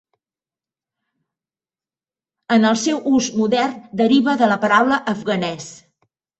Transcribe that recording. En el seu ús modern deriva de la paraula afganès.